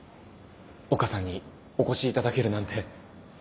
丘さんにお越しいただけるなんて。